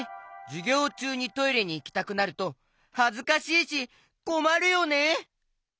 じゅぎょうちゅうにトイレにいきたくなるとはずかしいしこまるよね！